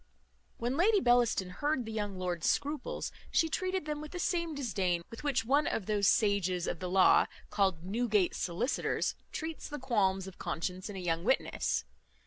When Lady Bellaston heard the young lord's scruples, she treated them with the same disdain with which one of those sages of the law, called Newgate solicitors, treats the qualms of conscience in a young witness.